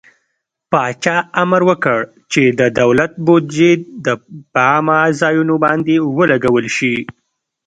پاچا امر وکړ چې د دولت بودجې د په عامه ځايونو باندې ولګول شي.